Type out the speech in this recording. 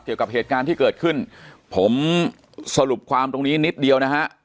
เกี่ยวกับเหตุการณ์ที่เกิดขึ้นผมสรุปความตรงนี้นิดเดียวนะฮะ